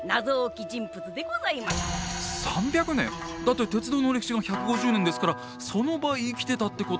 だって鉄道の歴史が１５０年ですからその倍生きてたってこと。